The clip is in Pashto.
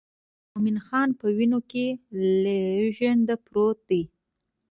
مومن خان په وینو کې لژند پروت دی.